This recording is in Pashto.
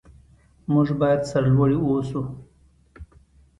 موږ باید سرلوړي اوسو.